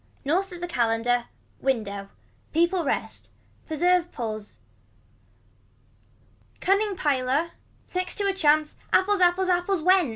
North of the calender. Window. Peoples rest. Preserve pulls. Cunning piler. Next to a chance. Apples. Apples. Apples went.